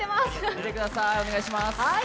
見てください、お願いします。